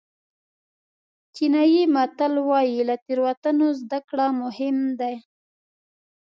چینایي متل وایي له تېروتنو زده کړه مهم ده.